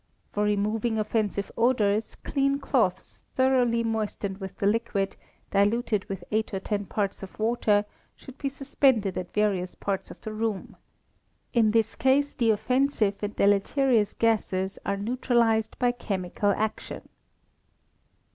For removing offensive odours, clean cloths thoroughly moistened with the liquid, diluted with eight or ten parts of water, should be suspended at various parts of the room. In this case the offensive and deleterious gases are neutralized by chemical action.